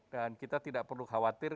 dan kita tidak perlu khawatir